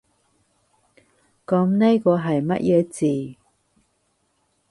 噉呢個係乜嘢字？